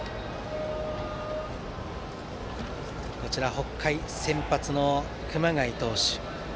北海、先発の熊谷投手。